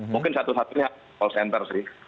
mungkin satu satunya call center sih